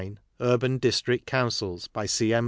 Urban District Councils. By C: M.